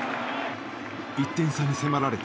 １点差に迫られた